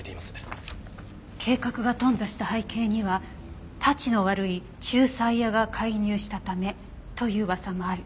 「“計画が頓挫した背景にはタチの悪い仲裁屋が介入したため”という噂もある」